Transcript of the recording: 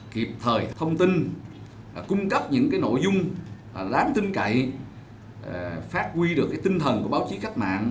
kịp thời thông tin cung cấp những nội dung đáng tin cậy phát huy được tinh thần của báo chí cách mạng